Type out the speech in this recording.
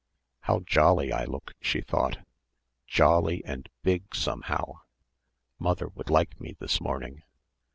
"How jolly I look," she thought, "jolly and big somehow. Mother would like me this morning.